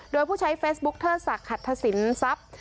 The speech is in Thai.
โดยผู้ใช้เฟซบุ๊กเทอร์สักขัดทศิลป์ทรัพย์